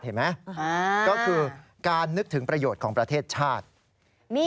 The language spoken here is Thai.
เห็นไหมก็คือการนึกถึงประโยชน์ของประเทศชาติ